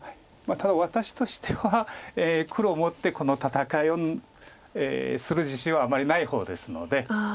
ただ私としては黒持ってこの戦いをする自信はあまりない方ですので。